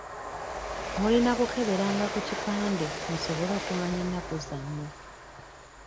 Mulina kukeberanga ku kipande musobole okumanya ennaku zammwe.